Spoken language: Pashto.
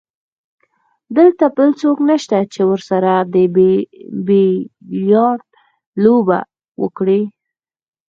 دلته بل څوک نشته چې ورسره د بیلیارډ لوبه وکړي.